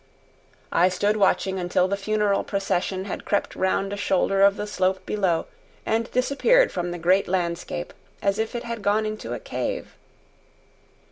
I stood watching until the funeral procession had crept round a shoulder of the slope below and disappeared from the great landscape as if it had gone into a cave.